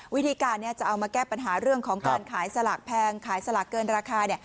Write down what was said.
วิธีการนี้จะเอามาแก้ปัญหาเรื่องของการขายสลากแพงขายสลากเกินราคา